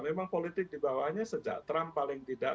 memang politik di bawahnya sejak trump paling tidak